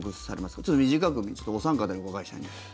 ちょっと短く、お三方にお伺いしたいんですが。